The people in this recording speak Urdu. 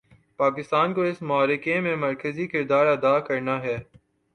پاکستان کو اس معرکے میں مرکزی کردار ادا کرنا ہے۔